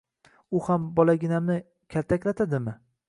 U ham bolaginamni kaltaklatadimi?